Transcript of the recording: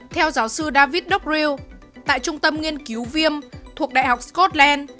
theo giáo sư david dockrill tại trung tâm nghiên cứu viêm thuộc đại học scotland